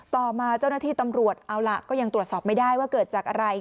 ต่อมาเจ้าหน้าที่ตำรวจเอาล่ะก็ยังตรวจสอบไม่ได้ว่าเกิดจากอะไร